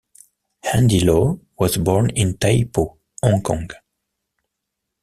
Andy Lau was born in Tai Po, Hong Kong.